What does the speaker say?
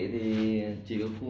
thế à thêm bao giờ mới có sổ